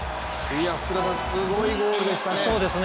福田さん、すごいゴールでしたね。